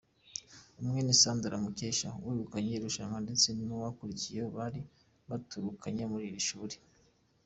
Umwe ni Sandra Mukesha wegukanye irushanwa ndetse n’uwamukurikiye, bari baturukanye muri iri shuri.